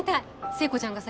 聖子ちゃんがさ